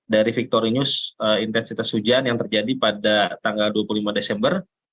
dari victory news intensitas hujan yang terjadi pada tanggal dua puluh lima desember